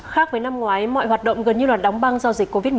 khác với năm ngoái mọi hoạt động gần như là đóng băng do dịch covid một mươi chín